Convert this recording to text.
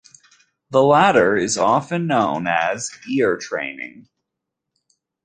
The latter is often known as "ear-training".